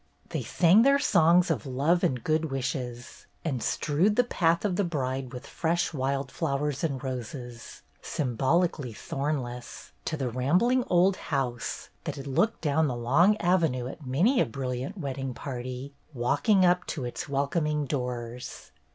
They sang their songs of love and good wishes and strewed the path of the bride with fresh wild flowers and roses, symbolically thornless, to the rambling old house that had looked down the long avenue at many a brilliant wedding party walking up to its welcoming doors.